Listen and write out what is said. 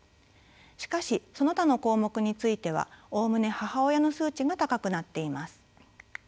しかしその他の項目についてはおおむね母親の数値が高くなっています。